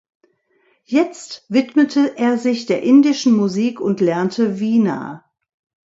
Jetzt widmete er sich der indischen Musik und lernte Vina.